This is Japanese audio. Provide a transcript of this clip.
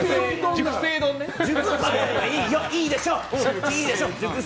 熟成丼いいでしょう。